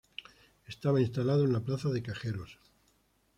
Estaba instalada en la plaza de Cajeros.